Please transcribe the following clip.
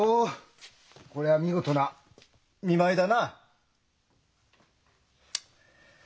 こりゃ見事な見舞いだなあ。